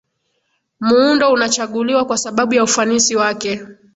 muundo unachaguliwa kwa sababu ya ufanisi wake